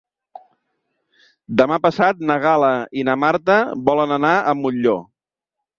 Demà passat na Gal·la i na Marta volen anar a Molló.